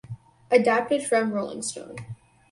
Adapted from "Rolling Stone".